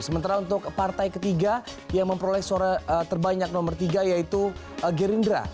sementara untuk partai ketiga yang memperoleh suara terbanyak nomor tiga yaitu gerindra